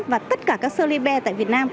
và tất cả các sơ libe tại việt nam